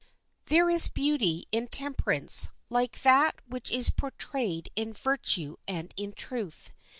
] There is beauty in temperance like that which is portrayed in virtue and in truth.